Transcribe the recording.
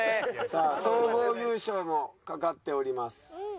さあ総合優勝も懸かっております。